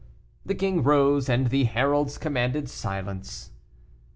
The king rose, and the heralds commanded silence.